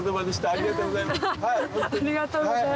ありがとうございます。